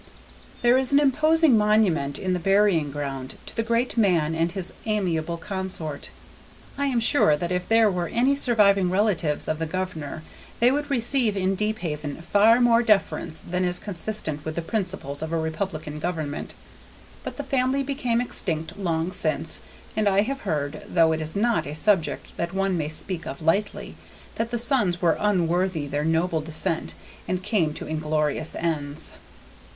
There is an imposing monument in the burying ground to the great man and his amiable consort. I am sure that if there were any surviving relatives of the governor they would receive in Deephaven far more deference than is consistent with the principles of a republican government; but the family became extinct long since, and I have heard, though it is not a subject that one may speak of lightly, that the sons were unworthy their noble descent and came to inglorious ends.